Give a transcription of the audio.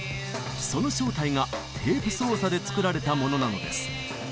その正体がテープ操作で作られたものなのです。